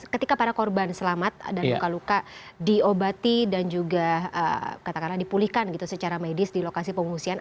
ketika para korban selamat dan luka luka diobati dan juga katakanlah dipulihkan gitu secara medis di lokasi pengungsian